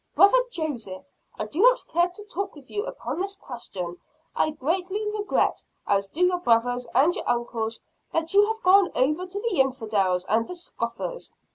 "Brother Joseph, I do not care to talk with you upon this question. I greatly regret, as do your brothers and your uncles, that you have gone over to the infidels and the scoffers."